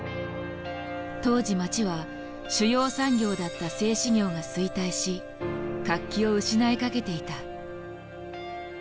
当時街は主要産業だった製糸業が衰退し活気を失いかけていた。